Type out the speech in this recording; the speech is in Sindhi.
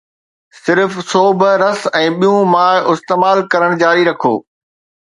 صرف سوپ، رس، ۽ ٻيون مائع استعمال ڪرڻ جاري رکو.